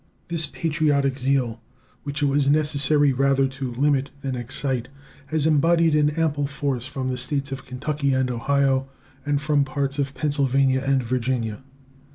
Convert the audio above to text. This patriotic zeal, which it was necessary rather to limit than excite, has embodied an ample force from the States of Kentucky and Ohio and from parts of Pennsylvania and Virginia.